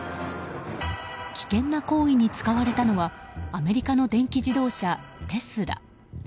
危険な行為に使われたのはアメリカの電気自動車テスラ。